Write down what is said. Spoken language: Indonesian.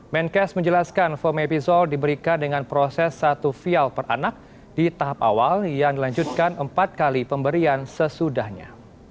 menkes menjelaskan fomepizol diberikan dengan proses satu vial per anak di tahap awal yang dilanjutkan empat kali pemberian sesudahnya